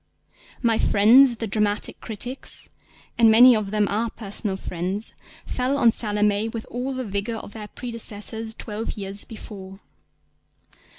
My friends the dramatic critics (and many of them are personal friends) fell on Salomé with all the vigour of their predecessors twelve years before.